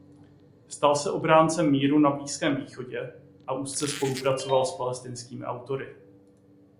Stal se obhájcem míru na Blízkém východě a úzce spolupracoval s palestinskými autory.